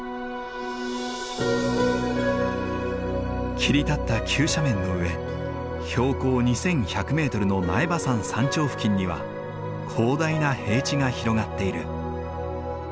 切り立った急斜面の上標高２，１００メートルの苗場山山頂付近には広大な平地が広がっている。